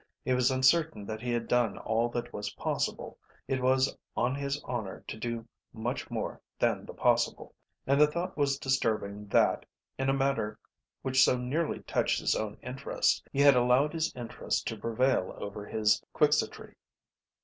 He was uncertain that he had done all that was possible, it was on his honour to do much more than the possible, and the thought was disturbing that, in a matter which so nearly touched his own interest, he had allowed his interest to prevail over his quixotry.